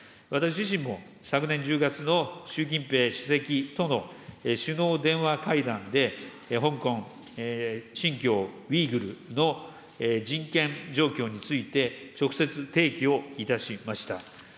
私自身も昨年１０月の習近平主席との首脳電話会談で、香港、新疆ウイグルの人権状況について、直接提起をいたしました。